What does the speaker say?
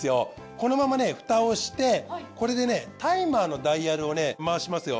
このままね蓋をしてこれでねタイマーのダイヤルをね回しますよ。